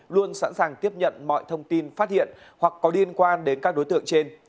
luôn sẵn sàng tiếp nhận mọi thông tin phát hiện hoặc có liên quan đến các đối tượng trên